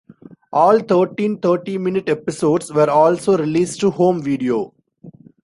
All thirteen thirty-minute episodes were also released to home video.